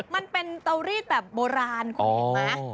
มันเป็นเตารีดแบบโบราณคุณเห็นไหม